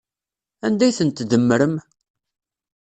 Anda ay ten-tdemmrem?